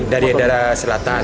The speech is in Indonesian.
dari arah selatan